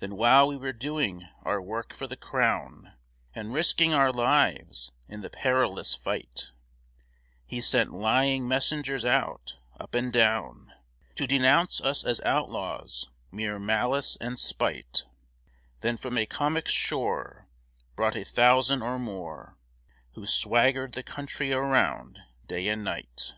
Then while we were doing our work for the crown, And risking our lives in the perilous fight, He sent lying messengers out, up and down, To denounce us as outlaws mere malice and spite; Then from Accomac's shore Brought a thousand or more, Who swaggered the country around, day and night.